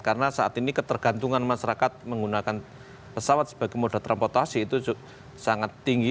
karena saat ini ketergantungan masyarakat menggunakan pesawat sebagai modal transportasi itu sangat tinggi